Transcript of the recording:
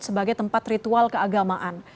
sebagai tempat ritual keagamaan